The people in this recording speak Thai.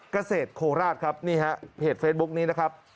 เกษตรโคราชครับนี่ฮะเพจเฟซบุ๊กนี้นะครับ